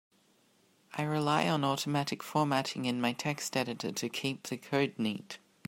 I rely on automatic formatting in my text editor to keep the code neat.